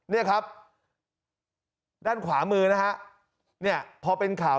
เนี่ยครับด้านขวามือนะฮะเนี่ยพอเป็นข่าว